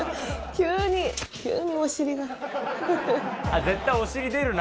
急に、急にお尻が。